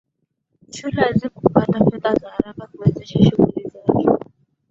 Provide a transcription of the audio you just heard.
Shule haikupata fedha za haraka kuwezesha shughuli zake